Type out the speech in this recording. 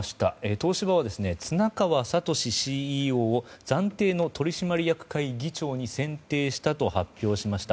東芝は綱川智ＣＥＯを暫定の取締役会議長に選定したと発表しました。